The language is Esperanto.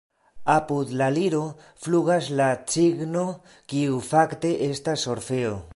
Apud la liro flugas la Cigno, kiu fakte estas Orfeo.